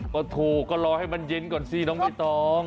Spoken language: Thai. ก็ถูกก็รอให้มันเย็นก่อนสิน้องใบตอง